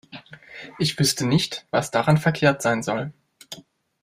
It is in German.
Ich wüsste nicht, was daran verkehrt sein soll.